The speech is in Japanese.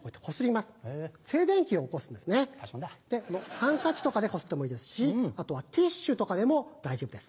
ハンカチとかでこすってもいいですしあとはティッシュとかでも大丈夫です。